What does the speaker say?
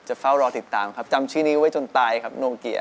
จะเฝ้ารอติดตามจำชื่อนี้ไว้จนตายนโนเกียร์